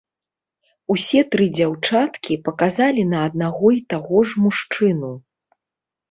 Усе тры дзяўчаткі паказалі на аднаго і таго ж мужчыну.